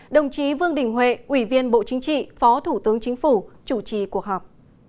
đồng chí vương đình huệ ủy viên bộ chính trị phó thủ tướng chính phủ chủ trì cuộc họp